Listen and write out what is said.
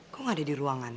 kok nggak ada di ruangan ya